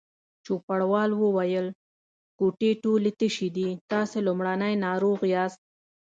چوپړوال وویل: کوټې ټولې تشې دي، تاسې لومړنی ناروغ یاست.